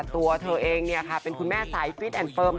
ตัวเธอเองเป็นคุณแม่สายฟิตแอนดเฟิร์ม